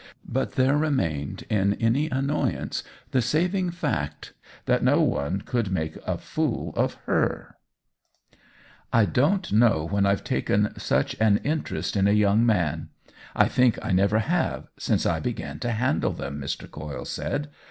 But there re mained in any annoyance the saving fact that no one could make a fool of her, " I don't know when IVe taken such an interest in a young man — I think I never have, since I began to handle them," Mr. Coyle said.